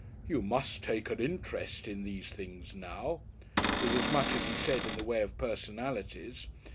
"You must take an interest in these things now," was as much as he said in the way of personalities.